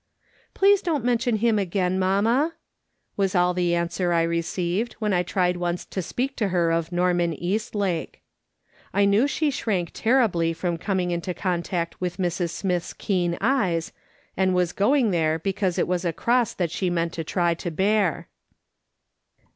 " Please don't mention him again, mamma,'^ was all the answer I received when I tried once to speak to her of Norman Eastlake. I knew she shrank terribly from coming into contact with Mrs. Smith's keen eyes, and was going there because it was a cross that she meant to try to bear.